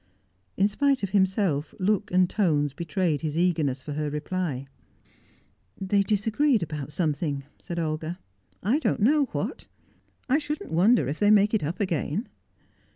In spite of himself, look and tones betrayed his eagerness for her reply. "They disagreed about something," said Olga. "I don't know what. I shouldn't wonder if they make it up again."